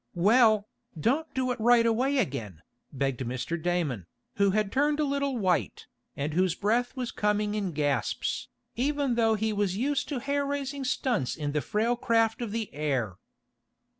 "Well, don't do it right away again," begged Mr. Damon, who had turned a little white, and whose breath was coming in gasps, even though he was used to hair raising stunts in the frail craft of the air.